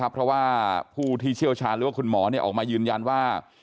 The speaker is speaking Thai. เพราะว่าผู้ที่เชี่ยวชาญหรือว่าคุณหมอออกมายืนยันว่า